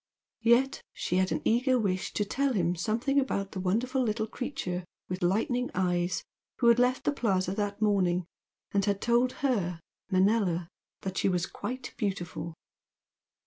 Yet she had an eager wish to tell him something about the wonderful little creature with lightning eyes who had left the Plaza that morning and had told her, Manella, that she was "quite beautiful."